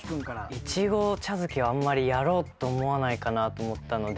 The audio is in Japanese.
いちご茶漬けはあんまりやろうと思わないかなと思ったので。